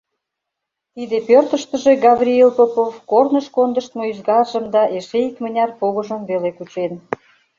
Тиде пӧртыштыжӧ Гавриил Попов корныш кондыштмо ӱзгаржым да эше икмыняр погыжым веле кучен.